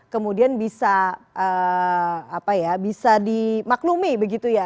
kemudian bisa dimaklumi begitu ya